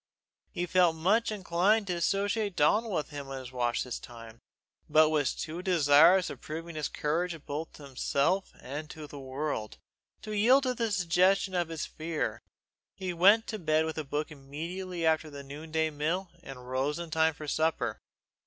He felt much inclined to associate Donal with him in his watch this time, but was too desirous of proving his courage both to himself and to the world, to yield to the suggestion of his fear. He went to bed with a book immediately after the noon day meal and rose in time for supper.